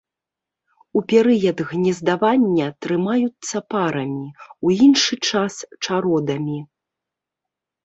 У перыяд гнездавання трымаюцца парамі, у іншы час чародамі.